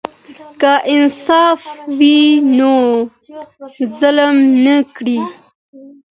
که انصاف وي نو ظلم نه کیږي.